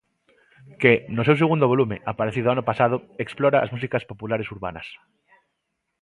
Que, no seu segundo volume, aparecido o pasado ano, explora as músicas populares urbanas.